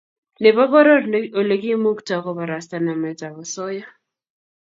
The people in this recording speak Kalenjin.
Nebo poror olekimuktoi kobarasta nametab osoya